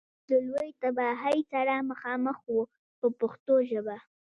انسانیت له لویې تباهۍ سره مخامخ و په پښتو ژبه.